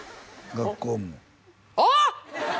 学校もああっ！